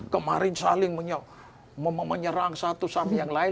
kemarin saling menyerang satu sama yang lain